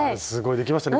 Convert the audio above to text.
できましたね